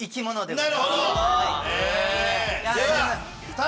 なるほど！